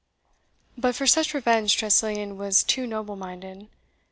But for such revenge Tressilian was too noble minded.